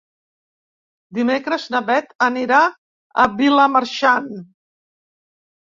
Dimecres na Beth anirà a Vilamarxant.